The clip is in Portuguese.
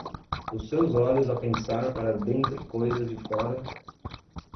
os seus olhos a pensar para dentro coisas de fora